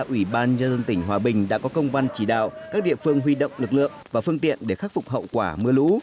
ủy ban nhân dân tỉnh hòa bình đã có công văn chỉ đạo các địa phương huy động lực lượng và phương tiện để khắc phục hậu quả mưa lũ